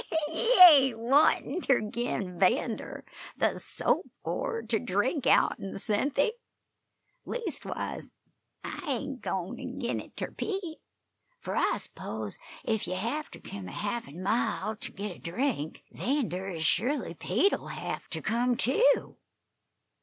"Ye ain't wantin' ter gin 'Vander the soap gourd ter drink out'n, Cynthy! Leastwise, I ain't goin' ter gin it ter Pete. Fur I s'pose ef ye hev ter kem a haffen mile ter git a drink, 'Vander, ez surely Pete'll hev ter kem, too.